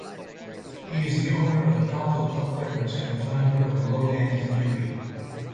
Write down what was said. He is the owner of Alpha Pup Records and founder of Low End Theory.